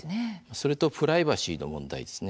それとプライバシーの問題です。